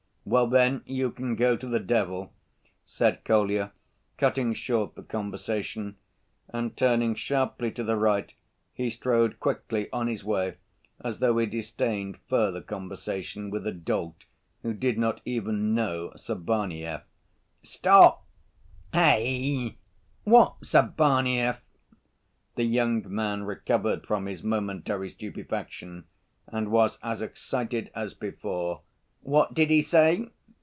"Well then you can go to the devil," said Kolya, cutting short the conversation; and turning sharply to the right he strode quickly on his way as though he disdained further conversation with a dolt who did not even know Sabaneyev. "Stop, heigh! What Sabaneyev?" the young man recovered from his momentary stupefaction and was as excited as before. "What did he say?"